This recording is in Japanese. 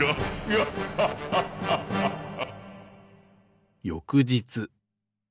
ハッハッハッハッハッハ！